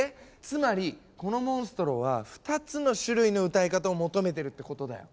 つまりこのモンストロは２つの種類の歌い方を求めてるってことだよ。